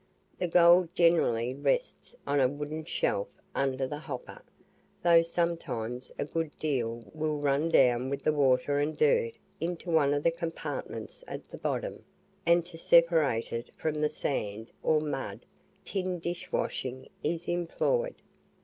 The gold generally rests on a wooden shelf under the hopper, though sometimes a good deal will run down with the water and dirt into one of the compartments at the bottom, and to separate it from the sand or mud, tin dish washing is employed.